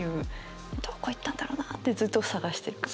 どこ行ったんだろうなってずっと探してる感じですね。